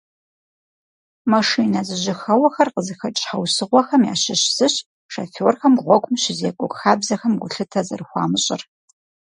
Машинэ зэжьыхэуэхэр къызыхэкӏ щхьэусыгъуэхэм ящыщ зыщ шоферхэм гъуэгум щызекӏуэ хабзэхэм гулъытэ зэрыхуамыщӏыр.